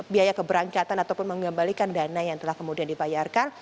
biaya keberangkatan ataupun mengembalikan dana yang telah kemudian dibayarkan